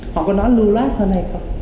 họ có nói lưu loát hơn hay không